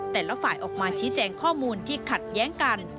แต่ละฝ่ายออกมาชี้แจงข้อมูลที่ขัดแย้งกัน